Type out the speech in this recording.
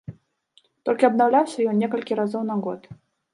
Толькі абнаўляўся ён некалькі разоў на год.